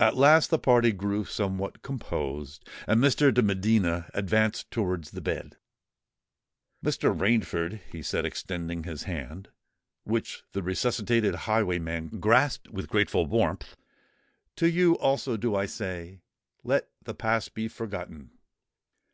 At last the party grew somewhat composed; and Mr. de Medina advanced towards the bed. "Mr. Rainford," he said, extending his hand, which the resuscitated highwayman grasped with grateful warmth, "to you also do I say, 'Let the past be forgotten.'